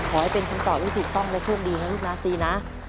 ขอให้เป็นคนตอบให้ถูกต้องและโชคดีนะลูกน้าซีนะค่ะ